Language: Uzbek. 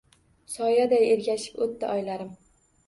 Soyaday ergashib o‘tdi oylarim.